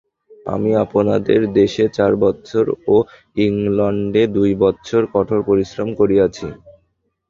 আমি আপনাদের দেশে চার বৎসর ও ইংলণ্ডে দুই বৎসর কঠোর পরিশ্রম করিয়াছি।